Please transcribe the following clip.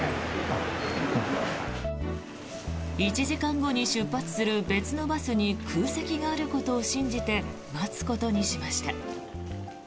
１時間後に出発する別のバスに空席があることを信じて待つことにしました。